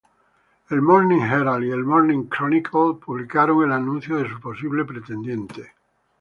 El "Morning Herald" y "Morning Chronicle" publicaron el anuncio de su posible pretendiente.